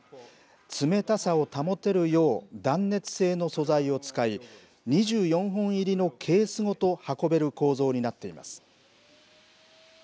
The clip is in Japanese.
冷たさを保てるよう断熱性の素材を使い、２４本入りのケースごと運べる構造になっています。